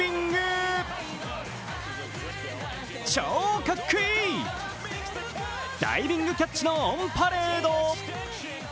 超かっこいい、ダイビングキャッチのオンパレード。